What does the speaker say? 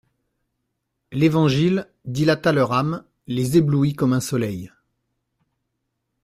L'Évangile dilata leur âme, les éblouit comme un soleil.